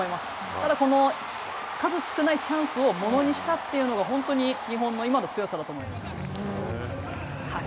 ただ、数少ないチャンスを物にしたというのが、本当に日本の今の強さだと思います。